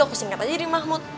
aku singkat aja dari mahmud